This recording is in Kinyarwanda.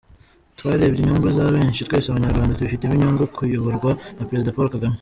Twarebye inyungu za benshi, twese Abanyarwanda tubifitemo inyungu kuyoborwa na Perezida Paul Kagame.